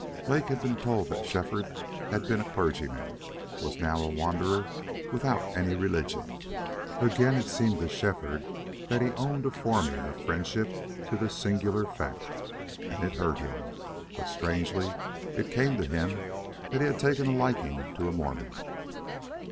Lake had been told that Shefford had been a clergyman, was now a wanderer, without any religion. Again it seemed to Shefford that he owed a forming of friendship to this singular fact. And it hurt him. But strangely it came to him that he had taken a liking to a Mormon.